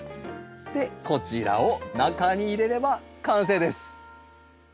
でこちらを中に入れれば完成です。